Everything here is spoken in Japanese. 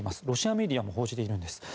ロシアメディアも報じているんです。